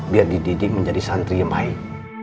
biar dididik menjadi santri yang baik